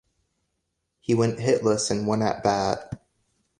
He went hitless in one at bat.